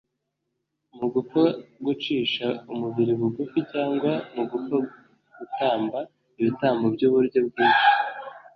mu gupfa gucisha umubiri bugufi cyangwa mu gupfa gutamba ibitambo by’uburyo bwinshi;